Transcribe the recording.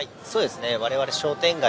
我々、商店街